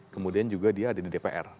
kemudian dia juga ada di dpr